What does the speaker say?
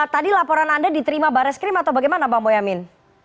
tadi laporan anda diterima bares krim atau bagaimana pak boyamin